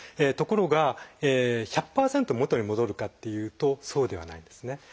ところが１００％元に戻るかっていうとそうではないんですね。